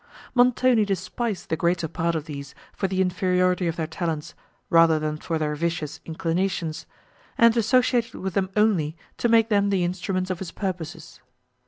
Montoni despised the greater part of these for the inferiority of their talents, rather than for their vicious inclinations, and associated with them only to make them the instruments of his purposes.